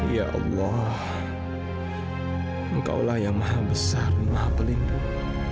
ya allah engkaulah yang maha besar maha pelindung